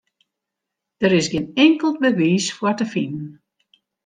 Dêr is gjin inkeld bewiis foar te finen.